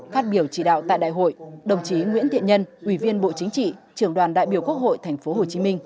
phát biểu chỉ đạo tại đại hội đồng chí nguyễn thiện nhân ủy viên bộ chính trị trưởng đoàn đại biểu quốc hội tp hcm